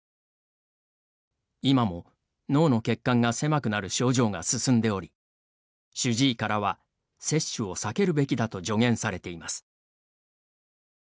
今も脳の血管が狭くなる症状が進んでおり、主治医からは接種を避けるべきだと助言されています。